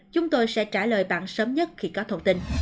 chúng tôi sẽ trả lời bạn sớm nhất khi có thông tin